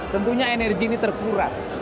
tentunya energi ini terkuras